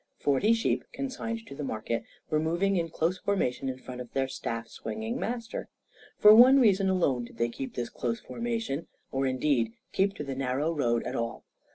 Forty sheep, consigned to the market, were moving in close formation in front of their staff swinging master. For one reason alone did they keep this close formation or, indeed, keep to the narrow road at all.